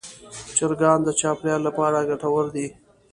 چرګان د چاپېریال لپاره ګټور دي.